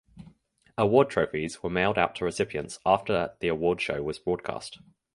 Award trophies were mailed out to recipients after the award show was broadcast.